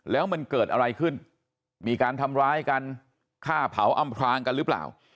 แล้วมันเกิดอะไรขึ้นมีการทำร้ายกันฆ่าเผาอำพลางกันหรือเปล่า